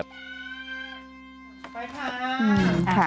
ไปค่ะ